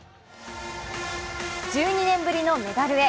１２年ぶりのメダルへ。